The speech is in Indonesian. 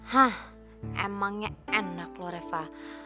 hah emangnya enak loh reva